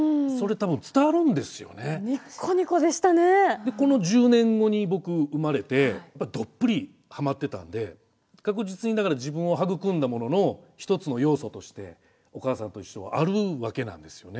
でこの１０年後に僕生まれてどっぷりはまってたんで確実にだから自分を育んだものの一つの要素として「おかあさんといっしょ」はあるわけなんですよね。